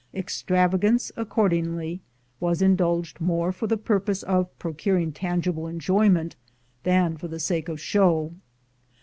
Extravagance, accord ingly, was indulged more for the purpose of procur ing tangible enjoyment than for the sake of show.